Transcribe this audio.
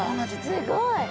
すごい。